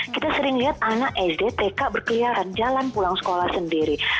kita sering lihat anak sd tk berkeliaran jalan pulang sekolah sendiri